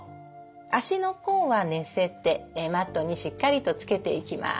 足の甲は寝せてマットにしっかりとつけていきます。